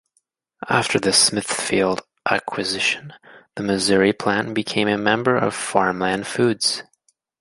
After the Smithfield acquisition, the Missouri plant became a member of Farmland Foods.